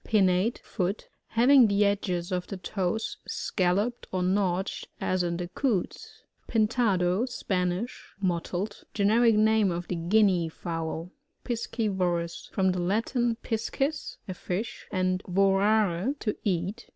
Pinnate (foot) — Having the edges of the toes scalloped or notched, as in the Coots. Pintado. — Spanish. Mottled. Gen eric name of the Guinea fowl. Piscivorous. — From the Latin, piacis, a fitfh, and tioraret to eat.